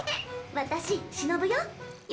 私しのぶよ。